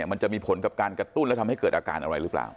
มันจะมีผลกับการกระตุ้นและทำให้เกิดอาการอะไรหรือเปล่า